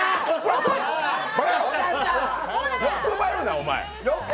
欲張るな、お前。